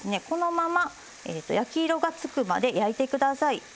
このまま焼き色がつくまで焼いてください。